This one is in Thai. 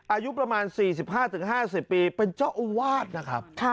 อายุประมาณ๔๕๕๐ปีเป็นเจ้าอาวาสนะครับ